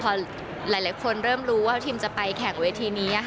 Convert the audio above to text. พอหลายคนเริ่มรู้ว่าทีมจะไปแข่งเวทีนี้